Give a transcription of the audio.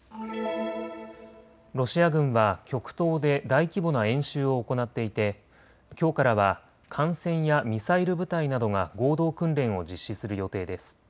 ロシア軍は極東で大規模な演習を行っていてきょうからは艦船やミサイル部隊などが合同訓練を実施する予定です。